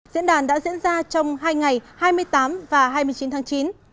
diễn đàn đã diễn ra trong hai ngày hai mươi tám và hai mươi chín tháng chín